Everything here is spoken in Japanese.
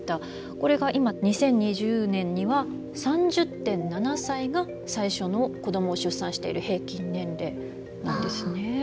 これが今２０２０年には３０．７歳が最初の子どもを出産している平均年齢なんですね。